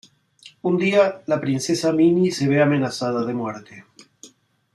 Un día, la princesa Minnie se ve amenazada de muerte.